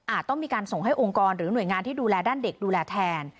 ต้องมีการส่งให้องค์กรหรือหน่วยงานที่ดูแลด้านเด็กดูแลแทน